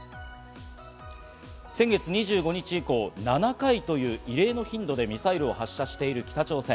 先月２５日以降、７回という異例の頻度でミサイルを発射している北朝鮮。